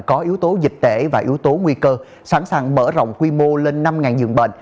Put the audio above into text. có yếu tố dịch tễ và yếu tố nguy cơ sẵn sàng mở rộng quy mô lên năm dường bệnh